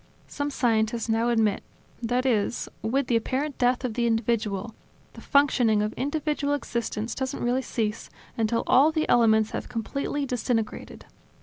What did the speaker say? Some scientists now admit, that is, that with the apparent death of the individual, the functioning of individual existence doesn't really cease until all of the elements have completely disintegrated.